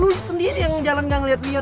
lo sendiri yang jalan gak ngeliat liat